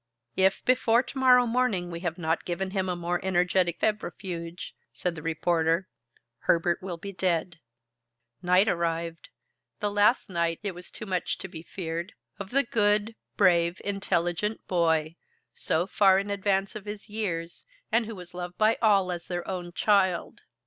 "If before tomorrow morning we have not given him a more energetic febrifuge," said the reporter, "Herbert will be dead." Night arrived the last night, it was too much to be feared, of the good, brave, intelligent boy, so far in advance of his years, and who was loved by all as their own child.